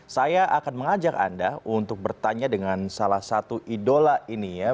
saya akan mengajak anda untuk bertanya dengan salah satu idola ini ya